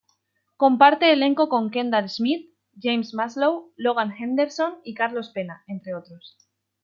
Comparte elenco con Kendall Schmidt, James Maslow, Logan Henderson y Carlos Pena, entre otros.